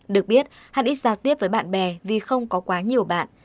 được biết hắn ít giao tiếp với bạn bè vì không có quá nhiều bạn